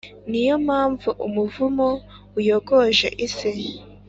Ni yo mpamvu umuvumo uyogoje isi,